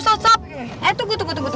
eh tunggu tunggu tunggu rafa